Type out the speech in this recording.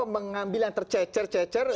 mengambil yang tercecer cecer